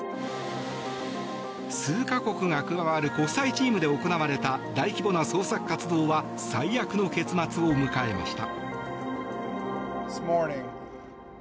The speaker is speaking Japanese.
数か国が加わる国際チームで行われた大規模な捜索活動は最悪の結末を迎えました。